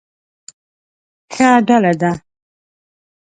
ښه ډله ده.